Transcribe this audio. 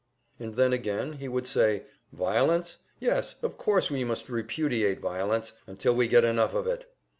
And then again he would say, "Violence? Yes, of course we must repudiate violence until we get enough of it!"